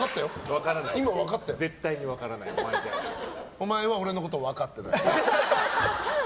お前は俺のことを分かってない。